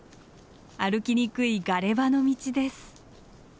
歩きにくいガレ場の道です。